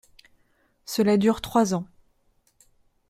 Cela dure trois ans.